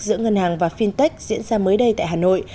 giữa ngân hàng và fintech diễn ra mới đây tại hà nội